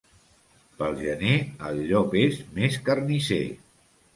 Pel gener el llop és més carnisser.